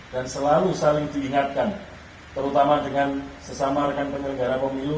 dan selalu saling diingatkan terutama dengan sesama rekan penyelenggara pemilu